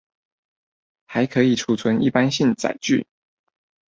還可以儲存一般性載具